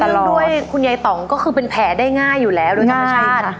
แล้วด้วยคุณยายต่องก็คือเป็นแผลได้ง่ายอยู่แล้วโดยธรรมชาติ